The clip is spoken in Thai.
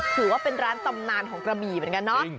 ถือว่าเป็นร้านตำนานของกระบี่เหมือนกันเนาะ